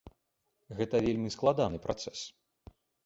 Гэта вельмі складаны працэс.